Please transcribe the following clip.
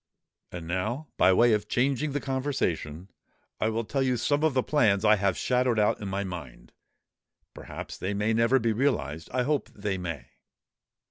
And now, by way of changing the conversation, I will tell you some of the plans I have shadowed out in my mind. Perhaps they may never be realized:—I hope they may."